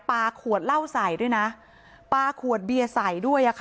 ปลาขวดเหล้าใสด้วยนะปลาขวดเบียร์ใสด้วย